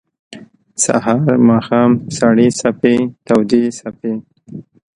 سهار ، ماښام سړې څپې تودي څپې